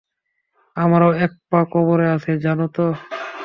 আমারও এক পা কবরে আছে, জানো তো?